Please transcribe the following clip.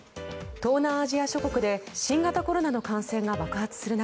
東南アジア諸国で新型コロナの感染が爆発する中